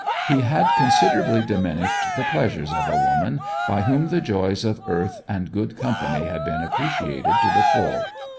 He had considerably diminished the pleasures of a woman by whom the joys of earth and good company had been appreciated to the full.